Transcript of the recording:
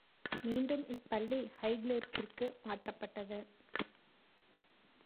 மீண்டும் இப் பள்ளி ஹைகிளெர்க்கிற்கு மாற்றப்பட்டது.